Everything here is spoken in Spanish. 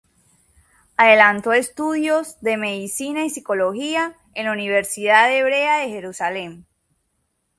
Adelantó estudios de Medicina y Psicología en la Universidad Hebrea de Jerusalem.